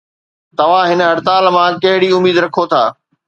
توهان هن هڙتال مان ڪهڙي اميد رکو ٿا؟